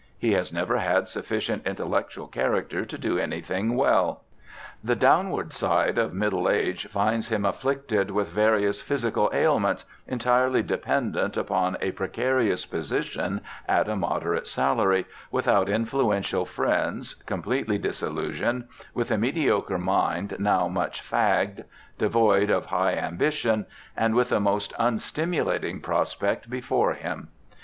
He has never had sufficient intellectual character to do anything well. The downward side of middle age finds him afflicted with various physical ailments, entirely dependent upon a precarious position at a moderate salary, without influential friends, completely disillusioned, with a mediocre mind now much fagged, devoid of high ambition, and with a most unstimulating prospect before him.